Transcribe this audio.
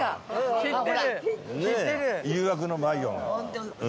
『誘惑のバイヨン』。